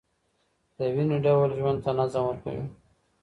دویني ډول ژوند ته نظم ورکوي.